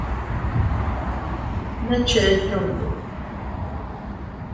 ¿Ne ched yundu?